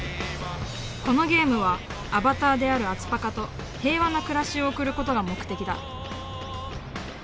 このゲームはアバターであるアツパカと平和な暮らしを送ることが目的だ。